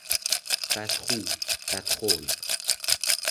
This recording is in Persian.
بد خو، بد خلق